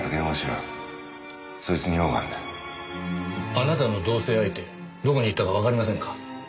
あなたの同棲相手どこに行ったかわかりませんか？